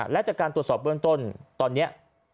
และจากการตรวจสอบเบื้องต้นตอนนี้